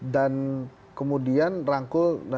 dan kemudian rangkul